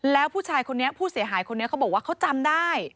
แล้วผู้ชายคนนี้ผู้เสียหายคนนี้เขาบอกว่าเขาจำได้